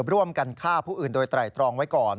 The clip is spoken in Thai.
ร่วมกันฆ่าผู้อื่นโดยไตรตรองไว้ก่อน